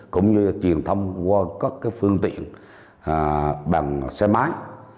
cũng như truyền thông qua các phương tiện bằng xe máy